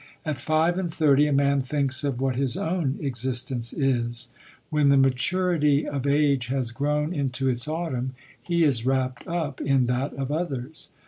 At five and thirty a man thinks of what his own existence is ; when the maturity 46 LODORE. of age has grown into its autumn, he is wrapt up in that of others.